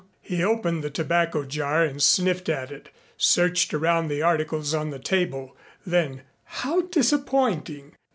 He opened the tobacco jar and sniffed at it, searched around the articles on the table, then, "How disappointing!